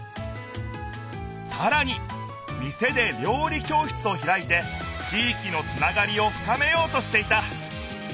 さらに店で料理教室をひらいて地いきのつながりをふかめようとしていた。